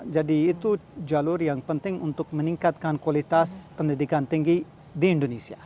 jadi itu jalur yang penting untuk meningkatkan kualitas pendidikan tinggi di indonesia